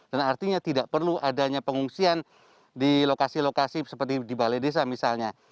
dan artinya tidak perlu adanya pengungsian di lokasi lokasi seperti di balai desa misalnya